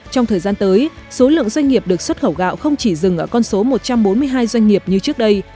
trong thời gian tới số lượng doanh nghiệp được xuất khẩu gạo không chỉ dừng ở con số một trăm bốn mươi hai doanh nghiệp như trước đây